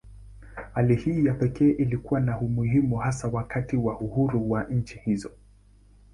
Hali hii ya pekee ilikuwa na umuhimu hasa wakati wa uhuru wa nchi hizo.